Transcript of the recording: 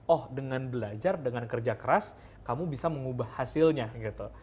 oh dengan belajar dengan kerja keras kamu bisa mengubah hasilnya gitu